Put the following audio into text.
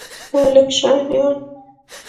هو، لږ شیان